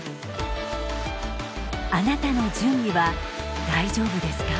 あなたの準備は大丈夫ですか？